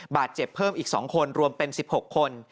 บาดเจ็บเพิ่มอีก๒คนรวมเป็น๑๖คน